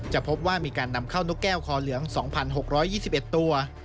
พบว่ามีการนำเข้านกแก้วคอเหลือง๒๖๒๑ตัว